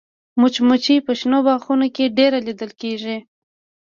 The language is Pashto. مچمچۍ په شنو باغونو کې ډېره لیدل کېږي